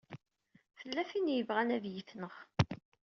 Tella tin i yebɣan ad yi-tneɣ.